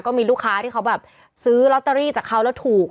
ก็มีลูกค้าที่เขาแบบซื้อลอตเตอรี่จากเขาแล้วถูก